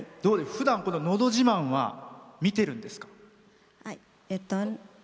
ふだんこの「のど自慢」は見てるんですか？